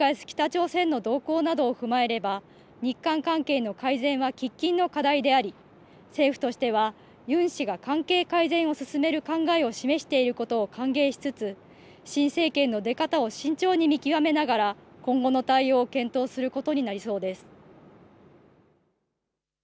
北朝鮮の動向などを踏まえれば日韓関係の改善は喫緊の課題であり政府としてはユン氏が関係改善を進める考えを示していることを歓迎しつつ新政権の出方を慎重に見極めながら今後の対応を検討することになりそうです。